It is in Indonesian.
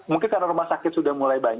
mungkin karena rumah sakit sudah mulai banyak